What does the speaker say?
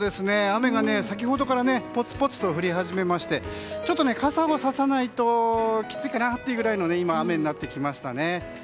雨が先ほどからぽつぽつと降り始めましてちょっと傘をささないときついかなというぐらいの雨になってきましたね。